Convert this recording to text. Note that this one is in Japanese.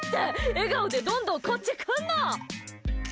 笑顔でどんどんこっち来んの！